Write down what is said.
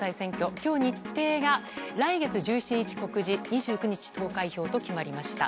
今日、日程が来月１７日告示２９日投開票と決まりました。